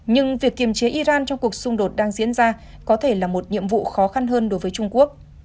nhưng việc kiềm chế iran trong cuộc xung đột đang diễn ra có thể là một nhiệm vụ khó khăn hơn đối với trung quốc